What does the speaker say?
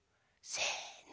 せの！